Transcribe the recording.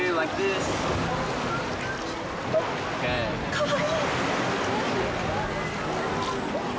かわいい。